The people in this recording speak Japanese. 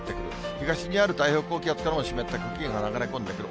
東にある太平洋高気圧からも湿った空気が流れ込んでくる。